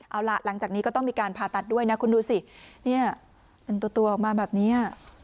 เอาล่ะหลังจากนี้ก็ต้องมีการผ่าตัดด้วยนะคุณดูสิเนี่ยเป็นตัวออกมาแบบนี้